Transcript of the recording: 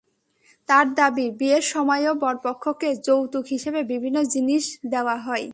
তাঁর দাবি, বিয়ের সময়ও বরপক্ষকে যৌতুক হিসেবে বিভিন্ন জিনিস দেওয়া হয়।